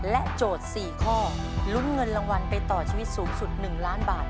ทางวันไปต่อชีวิตสูงสุด๑ล้านบาท